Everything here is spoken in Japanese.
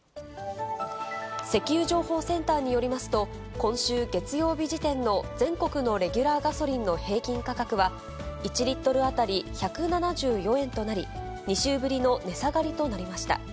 石油情報センターによりますと、今週月曜日時点の全国のレギュラーガソリンの平均価格は、１リットル当たり１７４円となり、２週ぶりの値下がりとなりました。